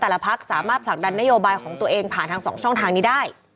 พักสามารถผลักดันนโยบายของตัวเองผ่านทาง๒ช่องทางนี้ได้